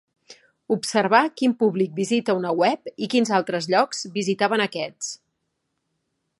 Observar quin públic visita una web i quins altres llocs visitaven aquests.